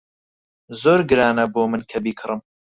زۆر گرانە بۆ من کە بیکڕم.